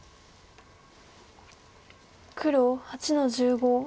黒８の十五。